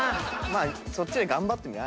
そっちで頑張ってみよう。